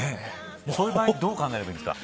こういう場合どう考えるんですか。